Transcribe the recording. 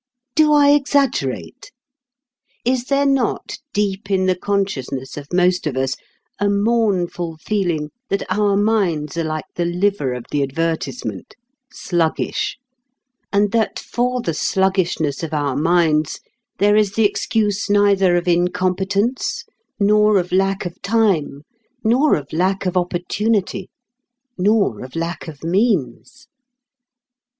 Do I exaggerate? Is there not deep in the consciousness of most of us a mournful feeling that our minds are like the liver of the advertisement sluggish, and that for the sluggishness of our minds there is the excuse neither of incompetence, nor of lack of time, nor of lack of opportunity, nor of lack of means?